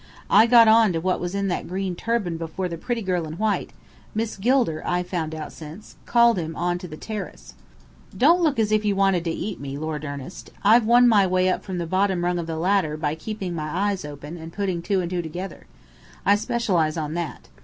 I got on to what was in that green turban before the pretty girl in white Miss Gilder, I've found out since called him on to the terrace. Don't look as if you wanted to eat me, Lord Ernest. I've won my way up from the bottom rung of the ladder by keeping my eyes open, and by putting two and two together. I specialize on that.